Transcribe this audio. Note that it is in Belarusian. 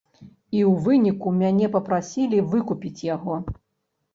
І ў выніку мяне папрасілі выкупіць яго.